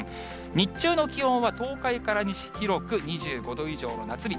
日中の気温は、東海から西、広く２５度以上の夏日。